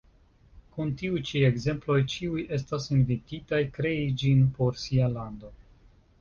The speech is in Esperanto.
Kun tiuj ĉi ekzemploj ĉiuj estas invititaj krei ĝin por sia lando.